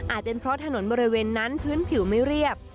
เป็นเพราะถนนบริเวณนั้นพื้นผิวไม่เรียบ